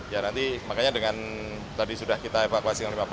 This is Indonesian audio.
ya nanti makanya dengan tadi sudah kita evakuasi dengan lima puluh